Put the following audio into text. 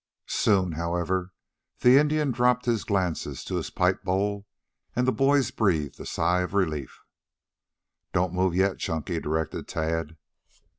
Soon, however, the Indian dropped his glances to his pipe bowl and the boys breathed a sigh of relief. "Don't move yet, Chunky," directed Tad.